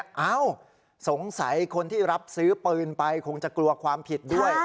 เอ้าสงสัยคนที่รับซื้อปืนไปคงจะกลัวความผิดด้วย